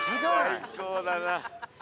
最高だな。